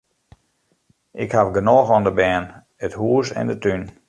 Ik haw genôch oan de bern, it hûs en de tún.